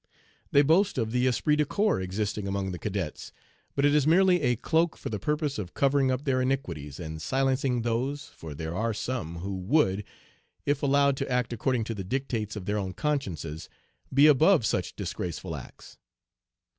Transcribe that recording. They boast of the esprit de corps existing among the cadets; but it is merely a cloak for the purpose of covering up their iniquities and silencing those (for there are some) who would, if allowed to act according to the dictates of their own consciences, be above such disgraceful acts.